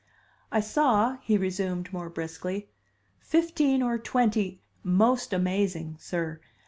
"I saw," he resumed more briskly, "fifteen or twenty most amazing, sir!